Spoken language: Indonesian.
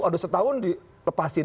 aduh setahun dilepasin